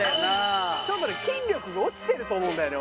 ちょっと筋力が落ちてると思うんだよね俺。